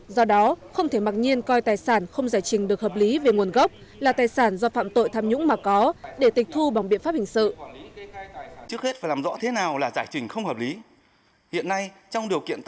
do đó không thể mặc nhiên coi tài sản không giải trình được hợp lý về nguồn gốc là tài sản do phạm tội tham nhũng mà có để tịch thu bằng biện pháp hình sự